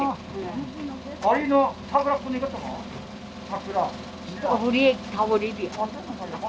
桜。